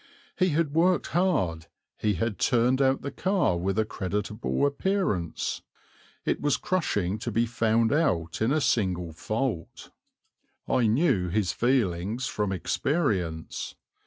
He had worked hard; he had turned out the car with a creditable appearance; it was crushing to be found out in a single fault. I knew his feelings from experience.